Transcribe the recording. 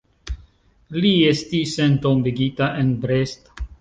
Li estis entombigita en Brest.